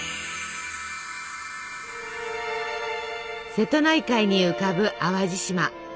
瀬戸内海に浮かぶ淡路島。